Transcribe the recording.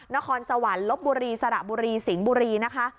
นครสวรรค์ลบบุรีสระบุรีสิงห์บุรีนะคะ